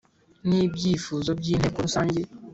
N ibyifuzo by inteko rusange